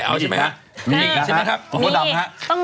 ต้องมีสำหรับ